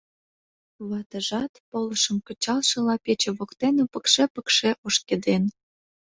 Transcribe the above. Ватыжат, полышым кычалшыла, пече воктене пыкше-пыкше ошкеден.